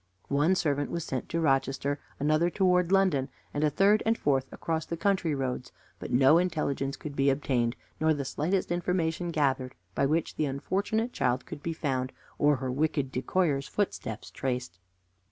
One servant was sent to Rochester, another towards London, and a third and fourth across the country roads; but no intelligence could be obtained, nor the slightest information gathered, by which the unfortunate child could be found, or her wicked decoyer's footsteps traced.